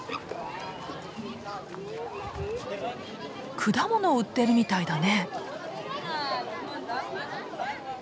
果物を売ってるみたいだね。